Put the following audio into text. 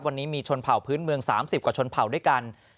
วันนี้มีชนเผ่าพื้นเมือง๓๐กว่าชนเผ่าด้วยกัน